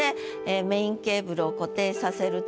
メインケーブルを固定させるという。